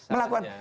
nah itu dia mas